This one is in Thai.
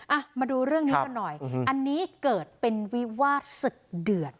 อ่ะมาดูเรื่องนี้กันหน่อยอันนี้เกิดเป็นวิวาสศึกเดือด